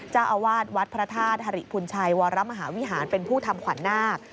เจ้าอาวาสวัดพระธาตุฮริพุนชัยวรมหาวิหารเป็นผู้ทำขวัญนาค